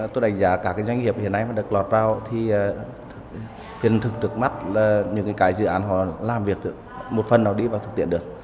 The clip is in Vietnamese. tôi đánh giá các cái doanh nghiệp hiện nay mà được lọt ra thì hiện thực được mắt là những cái dự án họ làm việc được một phần nó đi vào thực tiện được